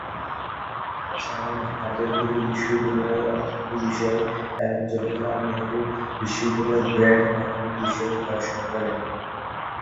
শাওন ভারতের দিল্লি বিশ্ববিদ্যালয়ে অর্থনীতি বিষয়ে এবং জওহরলাল নেহরু বিশ্ববিদ্যালয়ে ব্র্যান্ড মার্কেটিং বিষয়ে পড়াশোনা করেন।